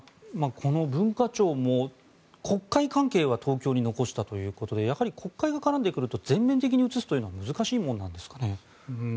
この文化庁も国会関係は東京に残したということでやはり国会が絡んでくると全面的に移すのは難しいものなんですかね。